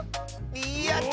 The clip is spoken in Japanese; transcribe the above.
やった！